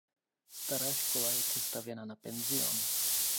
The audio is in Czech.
Stará škola je přestavěna na penzion.